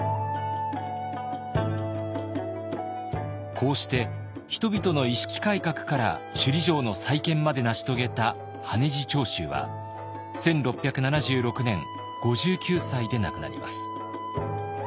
こうして人々の意識改革から首里城の再建まで成し遂げた羽地朝秀は１６７６年５９歳で亡くなります。